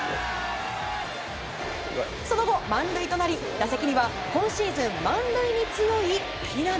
その後、満塁となり打席には今シーズン満塁に強い木浪。